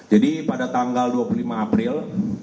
jadi pada tanggal dua puluh lima april